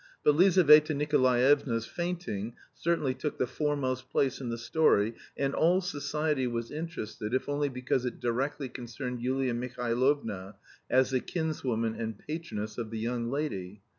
But Lizaveta Nikolaevna's fainting certainly took the foremost place in the story, and "all society" was interested, if only because it directly concerned Yulia Mihailovna, as the kinswoman and patroness of the young lady.